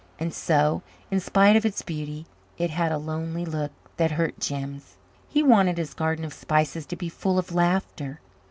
And so, in spite of its beauty, it had a lonely look that hurt Jims. He wanted his Garden of Spices to be full of laughter.